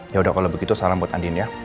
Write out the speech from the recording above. yaudah kalau begitu salam buat andin ya